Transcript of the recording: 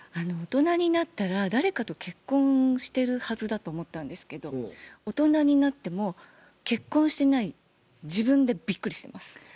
大人になったら誰かと結婚してるはずだと思ったんですけど大人になっても結婚してない自分でびっくりしてます。